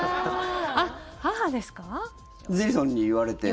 あっ、母ですか？